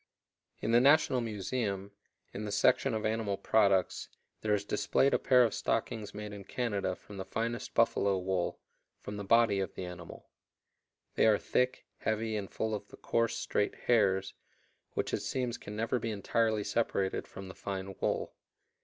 In the National Museum, in the section of animal products, there is displayed a pair of stockings made in Canada from the finest buffalo wool, from the body of the animal. They are thick, heavy, and full of the coarse, straight hairs, which it seems can never be entirely separated from the fine wool.